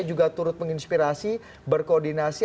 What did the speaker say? juga turut menginspirasi berkodisi